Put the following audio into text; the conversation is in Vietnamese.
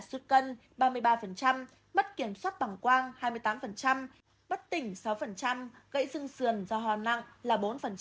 sút cân ba mươi ba bất kiểm soát bằng quang hai mươi tám bất tỉnh sáu gãy dưng sườn do hoa nặng là bốn